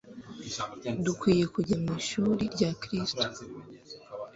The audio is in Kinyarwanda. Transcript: Dukwiye kujya mu ishuri rya Kristo